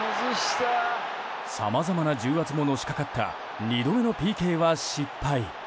さまざまな重圧ものしかかった２度目のＰＫは失敗。